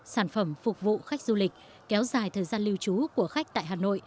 sản phẩm phục vụ khách du lịch kéo dài thời gian lưu trú của khách tại hà nội